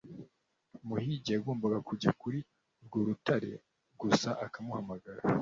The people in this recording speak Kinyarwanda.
umuhigi yagombaga kujya kuri urwo rutare gusa akamuhamagara.